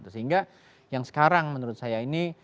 sehingga yang sekarang menurut saya ini